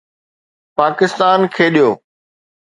پاڪستان کيڏيو